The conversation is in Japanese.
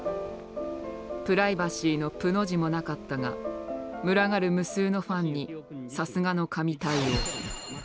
プライバシーの「プ」の字もなかったが群がる無数のファンにさすがの神対応。